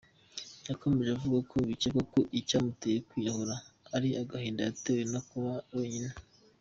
Yakomeje avuga ko bikekwa ko icyamuteye kwiyahura ari agahinda yatewe no kuba wenyine.